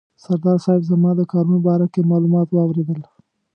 سردار صاحب زما د کارونو په باره کې معلومات واورېدل.